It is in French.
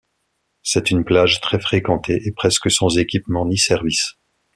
C'est une plage très fréquentée et presque sans équipements ni services.